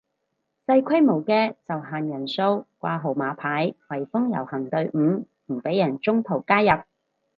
細規模嘅就限人數掛號碼牌圍封遊行隊伍唔俾人中途加入